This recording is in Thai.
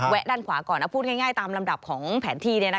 ด้านขวาก่อนพูดง่ายตามลำดับของแผนที่